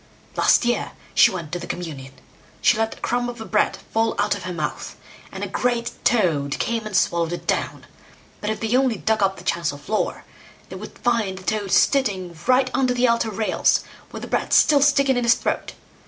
Last year she went to the communion. She let a crumb of the bread fall out of her mouth, and a great toad came and swallowed it down; but if they only dug up the chancel floor, they would find the toad sitting right under the altar rails, with the bread still sticking in his throat.